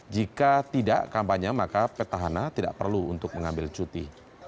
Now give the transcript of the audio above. jika tidak kampanye maka petahana tidak perlu untuk mengambil cuti